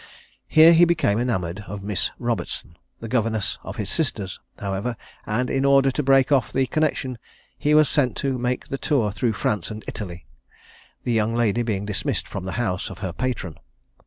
Here he became enamoured of Miss Robertson, the governess of his sisters, however; and in order to break off the connexion he was sent to make the tour through France and Italy, the young lady being dismissed from the house of her patron.